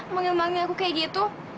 mengelilingi aku kayak gitu